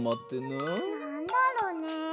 なんだろうね？